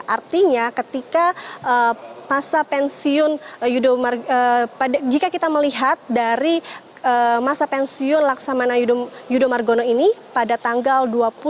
artinya ketika masa pensiun jika kita melihat dari masa pensiun laksamana yudo margono ini pada tanggal dua puluh